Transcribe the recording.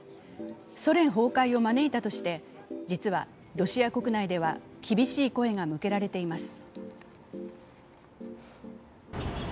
ソ連崩壊を招いたとして実はロシア国内では厳しい声が向けられています。